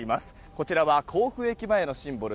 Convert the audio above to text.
こちらは甲府駅前のシンボル